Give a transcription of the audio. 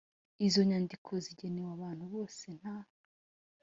Izo nyandiko zigenewe abantu bose nta